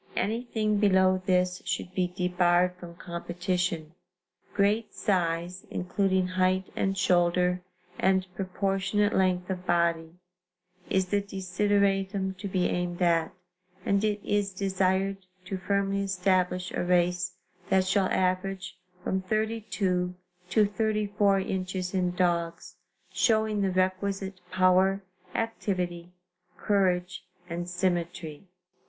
Anything below this should be debarred from competition. Great size, including height and shoulder and proportionate length of body is the desideratum to be aimed at, and it is desired to firmly establish a race that shall average from 32 to 34 inches in dogs, showing the requisite power, activity, courage and symmetry."